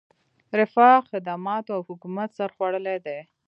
رفاه، خدماتو او حکومت سر خوړلی دی.